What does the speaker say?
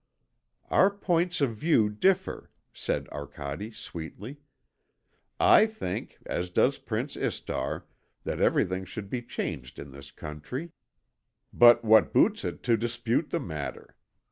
"Our points of view differ," said Arcade sweetly. "I think, as does Prince Istar, that everything should be changed in this country. But what boots it to dispute the matter?